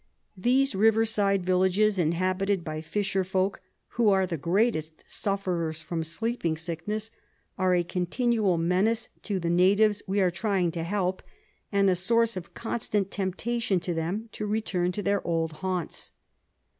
These river side villages, inhabited by fisherfolk, who are the greatest sufferers from sleeping sickness, are a continual menace to the natives we are trying to help, and a source of constant temptation to them to return to their old haunts.